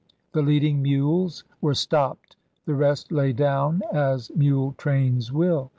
The leading mules were stopped. The rest lay down, as mule trains will.